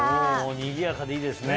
にぎやかでいいですね。